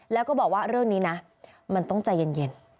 แล้วก็บอกว่าเรื่องนี้นะมันต้องใจเย็น